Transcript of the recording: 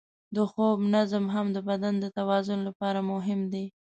د خوب نظم هم د بدن د توازن لپاره مهم دی.